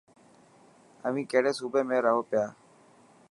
اوين ڪهڙي صوبي ۾ رهو پيا.